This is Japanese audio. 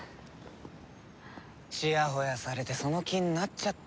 ちやほやされてその気になっちゃって。